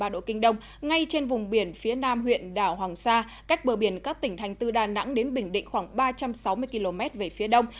một trăm một mươi hai ba độ kinh đông ngay trên vùng biển phía nam huyện đảo hoàng sa cách bờ biển các tỉnh thành tư đà nẵng đến bình định khoảng ba trăm sáu mươi km về phía đông